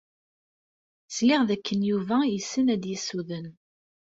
Sliɣ dakken Yuba yessen ad yessuden.